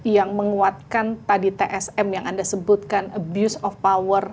yang menguatkan tadi tsm yang anda sebutkan abuse of power